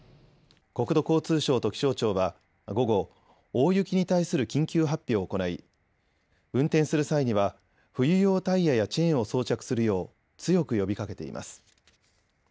国土交通省と気象庁は、午後大雪に対する緊急発表を行い運転する際には冬用タイヤやチェーンを装着するよう強く呼びかけています。